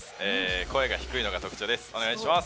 声が低いのが特徴です。